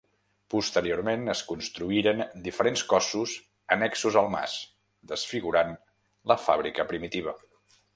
Posteriorment es construïren diferents cossos annexos al mas, desfigurant la fàbrica primitiva.